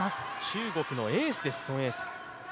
中国のエースです、孫エイ莎。